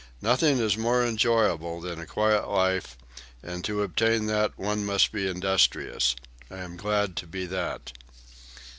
Nothing is more enjoyable than a quiet life and to obtain that one must be industrious. I am glad to be that."